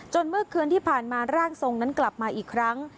เมื่อคืนที่ผ่านมาร่างทรงนั้นกลับมาอีกครั้ง